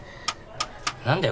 何だよ